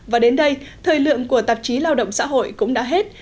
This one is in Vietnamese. và đến đây thời lượng của tạp chí lao động xã hội cũng đã hết